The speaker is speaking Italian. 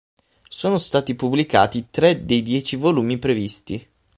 Sono stati pubblicati tre dei dieci volumi previsti.